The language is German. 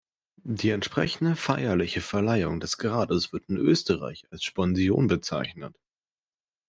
Die entsprechende feierliche Verleihung des Grades wird in Österreich als Sponsion bezeichnet.